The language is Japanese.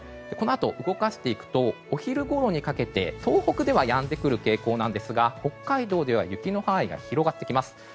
このあと動かしていくとお昼ごろにかけて東北ではやんでくる傾向ですが北海道では雪の範囲が広がっていきます。